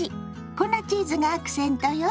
粉チーズがアクセントよ。